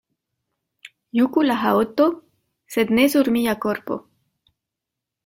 Juku la haŭto, sed ne sur mia korpo.